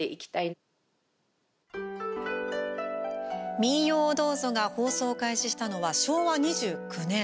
「民謡をどうぞ」が放送を開始したのは、昭和２９年。